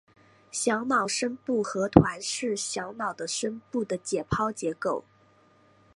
小脑深部核团是小脑的深部的解剖结构。